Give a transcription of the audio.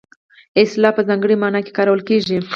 اصطلاح په ځانګړې مانا کې کارول کیږي